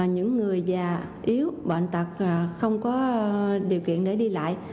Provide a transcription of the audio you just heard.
những người già yếu bệnh tật không có điều kiện để đi lại